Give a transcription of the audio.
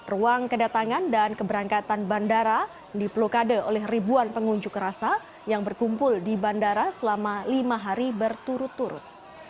ruang kedatangan dan keberangkatan bandara diplokade oleh ribuan pengunjuk rasa yang berkumpul di bandara selama lima hari berturut turut